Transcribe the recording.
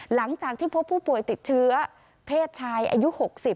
หลังจากที่พบผู้ป่วยติดเชื้อเพศชายอายุ๖๐